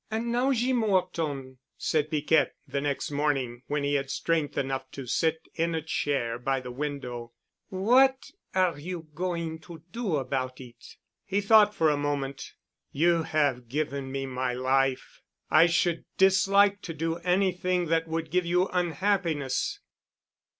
"An' now, Jeem 'Orton," said Piquette the next morning, when he had strength enough to sit in a chair by the window, "what are you going to do about it?" He thought for a moment. "You have given me my life. I should dislike to do anything that would give you unhappiness."